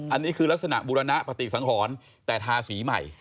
อันนี้คือลักษณะบุรณปฏิสังหรณ์แต่ทาสีใหม่